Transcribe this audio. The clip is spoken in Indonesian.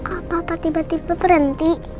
apa apa tiba tiba berhenti